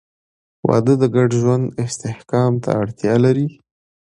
• واده د ګډ ژوند استحکام ته اړتیا لري.